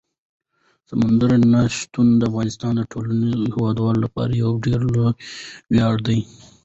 سمندر نه شتون د افغانستان د ټولو هیوادوالو لپاره یو ډېر لوی ویاړ دی.